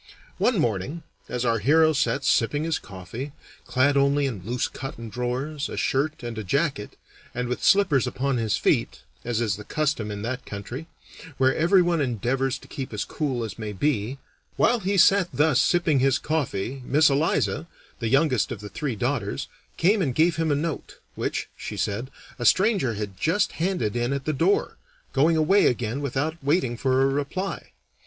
One morning, as our hero sat sipping his coffee, clad only in loose cotton drawers, a shirt, and a jacket, and with slippers upon his feet, as is the custom in that country, where everyone endeavors to keep as cool as may be while he sat thus sipping his coffee Miss Eliza, the youngest of the three daughters, came and gave him a note, which, she said, a stranger had just handed in at the door, going away again without waiting for a reply.